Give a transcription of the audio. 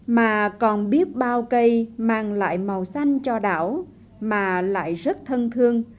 mà còn biết bao cây mang lại màu xanh cho đảo mà lại rất thân thương